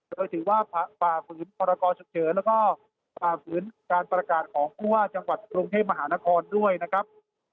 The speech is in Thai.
โดยถือว่าฝ่าฝืนพรกรฉุกเฉินแล้วก็ฝ่าฝืนการประกาศของผู้ว่าจังหวัดกรุงเทพมหานครด้วยนะครับ